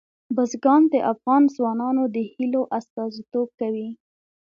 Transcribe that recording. بزګان د افغان ځوانانو د هیلو استازیتوب کوي.